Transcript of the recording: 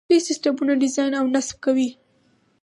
دوی سیسټمونه ډیزاین او نصب کوي.